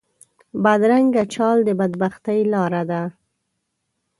بدرنګه چال د بد بختۍ لاره ده